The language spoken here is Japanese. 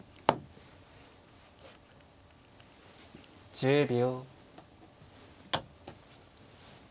１０秒。